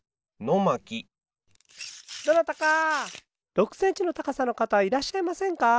６センチのたかさの方はいらっしゃいませんか？